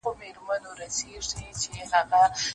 ښکلي زلمي به یې تر پاڼو لاندي نه ټولیږي